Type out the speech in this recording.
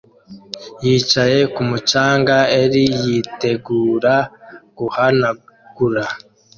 Yicaye kumu canga er yitegura guhanagura